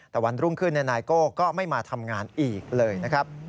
แต่วันรุ่งขึ้นนายโก้ก็ไม่มาทำงานอีกเลยนะครับ